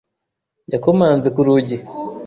Yakomanze ku rugi.